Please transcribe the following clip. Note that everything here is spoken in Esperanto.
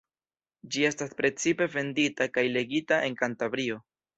Ĝi estas precipe vendita kaj legita en Kantabrio.